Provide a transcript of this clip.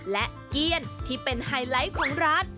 และเกี้ยนที่เป็นไฮไลท์ของร้าน